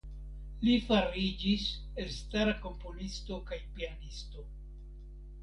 Li fariĝis elstara komponisto kaj pianisto.